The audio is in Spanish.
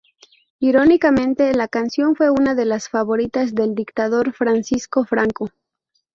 Irónicamente, la canción fue una de las favoritas del dictador Francisco Franco.